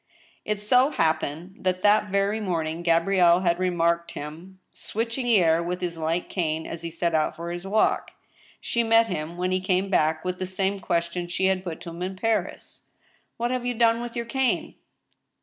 It so happened that that very morning Gabrielle had remarked him switching the air with his light cane as he set out for his walk. She met him, when he came back, with the same question she had put to him in Paris :" What have you done with your cane